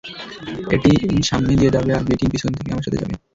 এ team সামনে দিয়ে যাবে আর বি টিম পিছন থেকে আমার সাথে যাবে।